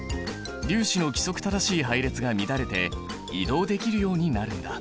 粒子の規則正しい配列が乱れて移動できるようになるんだ。